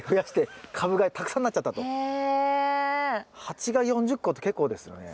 鉢が４０個って結構ですよね。